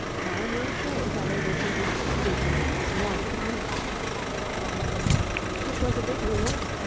Time will show whether this is not to treat a man as more than human." It was a big reward.